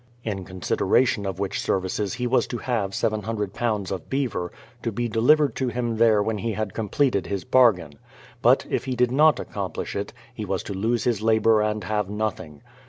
In consideration of which services he was to have 700 lbs. of beaver, to be delivered to him there when he had completed his bargain ; but if he did not accomplish it, he was to lose his labour and have nothing.